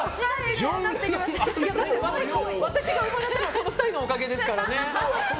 私が生まれたのはこの２人のおかげですよ。